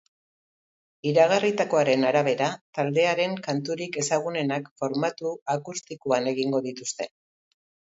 Iragarritakoaren arabera, taldearen kanturik ezagunenak formatu akustikoan egingo dituzte.